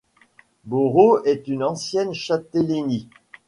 Boro est une ancienne châtellenie.